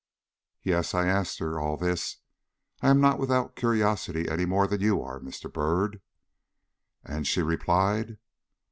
"Yes, I asked her all this. I am not without curiosity any more than you are, Mr. Byrd." "And she replied?"